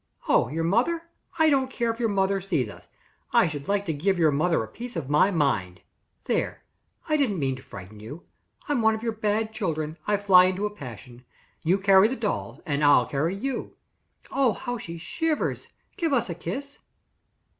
Oh, your mother? I don't care if your mother sees us; I should like to give your mother a piece of my mind. There! I don't mean to frighten you; I'm one of your bad children I fly into a passion. You carry the dolls and I'll carry you. Oh, how she shivers! Give us a kiss."